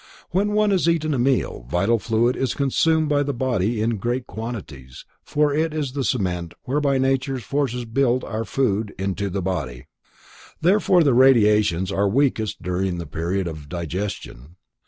When one has eaten a meal, vital fluid is consumed by the body in great quantities, for it is the cement whereby nature's forces build our food into the body. Therefore the radiations are weakest during the period of digestion.